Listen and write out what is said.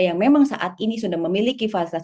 yang memang saat ini sudah memiliki fasilitas